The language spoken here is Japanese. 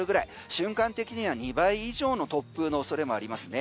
瞬間的には２倍以上の突風の恐れもありますね。